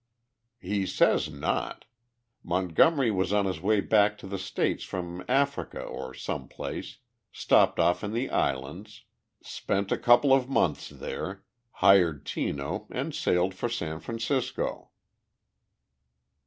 "He says not. Montgomery was on his way back to the States from Africa or some place stopped off in the islands spent a couple of months there hired Tino and sailed for San Francisco."